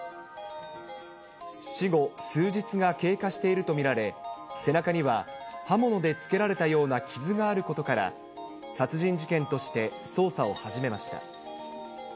死後数日が経過していると見られ、背中には刃物でつけられたような傷があることから、殺人事件として捜査を始めました。